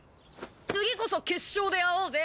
次こそ決勝で会おうぜ！